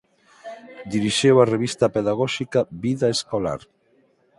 Dirixiu a revista pedagóxica "Vida Escolar".